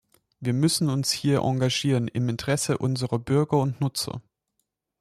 Wir müssen uns hier engagieren im Interesse unserer Bürger und Nutzer.